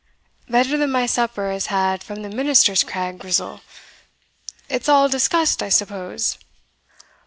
"Better than my supper has had from the minister's craig, Grizzle it's all discussed, I suppose?"